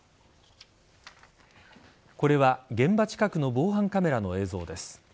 これは現場近くの防犯カメラの映像です。